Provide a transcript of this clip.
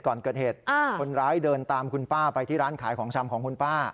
ก่อนเกิดเหตุคนร้ายเดินตามคุณป้าไปที่ร้านขายของชำของคุณป้า